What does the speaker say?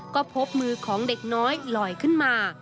ก็พบมือของเด็กน้อยลอยขึ้นมา